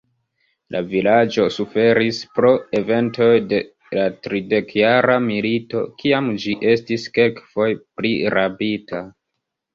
La vilaĝo suferis pro eventoj de la tridekjara milito, kiam ĝi estis kelkfoje prirabita.